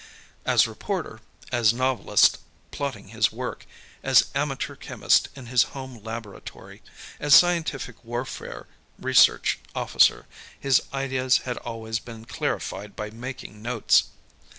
As reporter, as novelist plotting his work, as amateur chemist in his home laboratory, as scientific warfare research officer, his ideas had always been clarified by making notes.